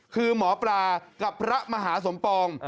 คือหมอปลากับพระมหาสมปอง